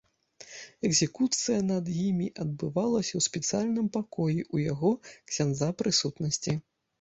Экзекуцыя над імі адбывалася ў спецыяльным пакоі ў яго, ксяндза, прысутнасці.